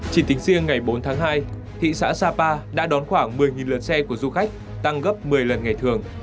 chỉ tính riêng ngày bốn tháng hai thị xã sapa đã đón khoảng một mươi lượt xe của du khách tăng gấp một mươi lần ngày thường